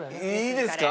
いいですか？